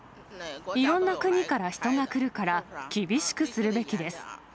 いろんな国から人が来るから、厳しくするべきです。